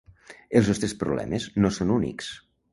Els nostres problemes no són únics.